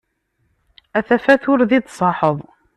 A tafat ur d i-d-tṣaḥeḍ.